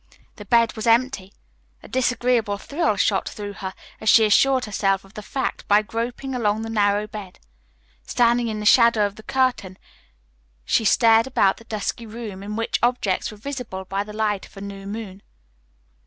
The bed was empty. A disagreeable thrill shot through her, as she assured herself of the fact by groping along the narrow bed. Standing in the shadow of the curtain, she stared about the dusky room, in which objects were visible by the light of a new moon.